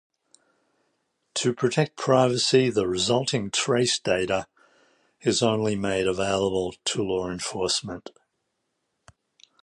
To protect privacy the resulting trace data is only made available to law enforcement.